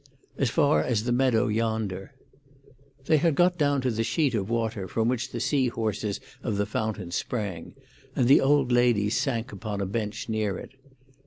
"As far as the meadow yonder." They had got down to the sheet of water from which the sea horses of the fountain sprang, and the old lady sank upon a bench near it.